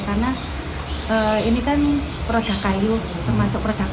karena ini kan produk kayu termasuk produk unik